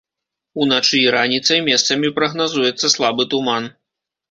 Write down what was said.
Уначы і раніцай месцамі прагназуецца слабы туман.